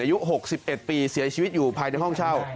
อายุ๖๑ปีเสียชีวิตอยู่ภายในห้องเช่า